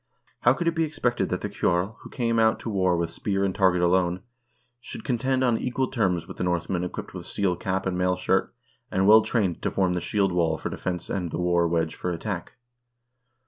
How could it be expected that the ceorl, who came out to war with spear and target alone, should contend on equal terms with the Northmen equipped with steel cap and mail shirt, and well trained to form the shield wall for defense and the war wedge for attack?